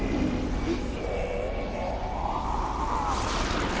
えっ？